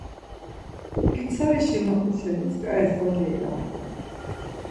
Pitsarişi na t̆u şeni tzǩaris var geilamt̆u.